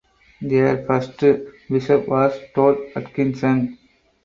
Their first bishop was Todd Atkinson.